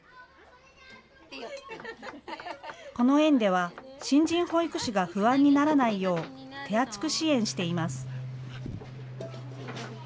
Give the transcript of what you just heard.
この園では新人保育士が不安にならないよう手厚く支援しています。